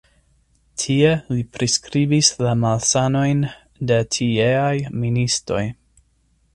Tie li priskribis la malsanojn de tieaj ministoj.